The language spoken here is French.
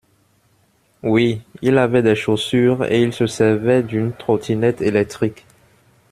Oui, il avait des chaussures, et il se servait d’une trottinette électrique.